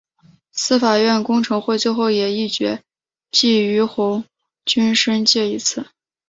司法院公惩会最后也议决记俞鸿钧申诫一次。